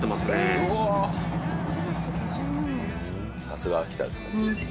さすが秋田ですね。